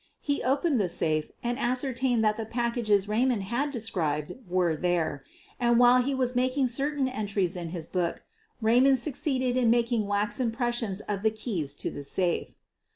He opened the safe and ascertained that the packages Raymond had de scribed were there, and while he was making certain entries in his book, Raymond succeeded in making wax impressions of the keys to the safe.